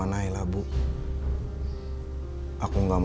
aku gak mau naila nganggep aku terlalu baik